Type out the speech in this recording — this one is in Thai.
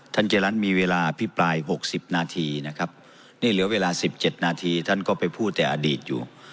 ท่านเกรียรัฐมีเวลาพิปรายหกสิบนาทีนะครับนี่เหลือเวลาสิบเจ็ดนาทีท่านก็ไปพูดแต่อดีตอยู่